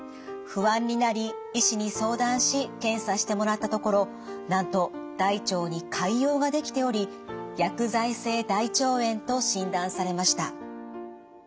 不安になり医師に相談し検査してもらったところなんと大腸に潰瘍が出来ており薬剤性大腸炎と診断されました。